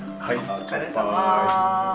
お疲れさま。